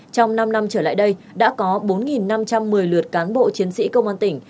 trong năm năm trở lại đây đã có bốn năm trăm một mươi lượt cán bộ chiến sĩ công an tỉnh